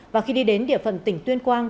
và khi đi đến địa phận tỉnh tuyên quang